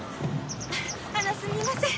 あのすみません。